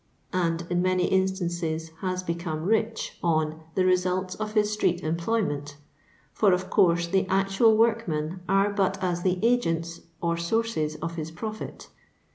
and, in numy instances, has become rich, on the results of hu street employment; for, of course, the actual workmen are but as the agents or sources of his profit.